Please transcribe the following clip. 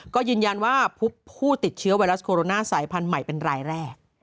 ก็ยืนยันว่าพบผู้ติดเชื้อไวรัสโคโรนาสายพันธุ์ใหม่เป็นรายแรก